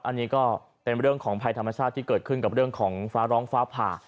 อันนี้ก็เป็นเรื่องของภัยธรรมชาติที่เกิดขึ้นกับเรื่องของฟ้าร้องฟ้าผ่า